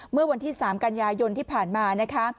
เมื่อวันที่๓กันยายนที่ผ่านมานะคะ